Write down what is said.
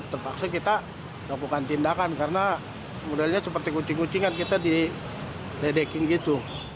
terpaksa kita lakukan tindakan karena mudahnya seperti kucing kucingan kita didekin gitu